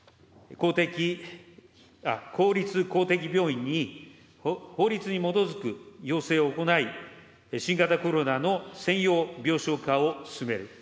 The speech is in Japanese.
公立公的病院に法律に基づく要請を行い、新型コロナの専用病床化を進める。